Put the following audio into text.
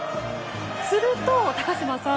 すると高島さん